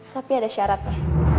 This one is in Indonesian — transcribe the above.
tapi ada syaratnya